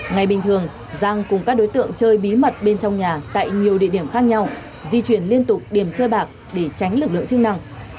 ngày bình thường giang cùng các đối tượng chơi bí mật bên trong nhà tại nhiều địa điểm khác nhau di chuyển liên tục điểm chơi bạc để tránh lực lượng chức năng